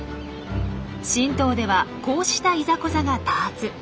新島ではこうしたいざこざが多発。